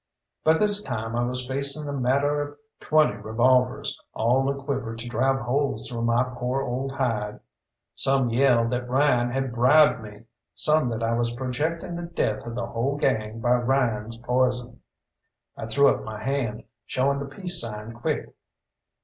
By this time I was facing a matter of twenty revolvers, all a quiver to drive holes through my poor old hide. Some yelled that Ryan had bribed me, some that I was projecting the death of the whole gang by Ryan's poison. I threw up my hand, showing the peace sign quick.